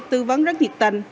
tư vấn rất nhiệt tình